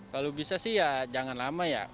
kalau bisa sih ya jangan lama ya